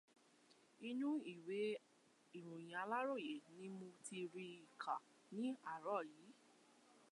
Inú ìwé ìròyìn aláròyé ni mo ti rí i ka ni àárọ̀ yìí